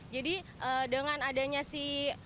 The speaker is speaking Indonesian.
jadi dengan adanya si